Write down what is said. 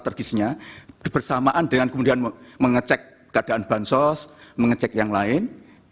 tergisnya bersamaan dengan kemudian mengecek keadaan bansos mengecek yang lain